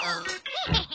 ヘヘヘ。